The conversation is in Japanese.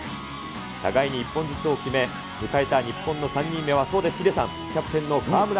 互いに一本ずつを決め、迎えた日本の３人目は、そうです、ヒデさん、キャプテンの川村怜。